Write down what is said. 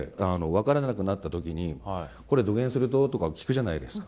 分からなくなった時に「これどげんすると？」とか聞くじゃないですか。